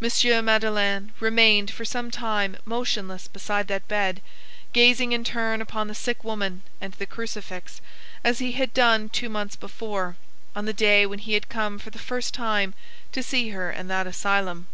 M. Madeleine remained for some time motionless beside that bed, gazing in turn upon the sick woman and the crucifix, as he had done two months before, on the day when he had come for the first time to see her in that asylum.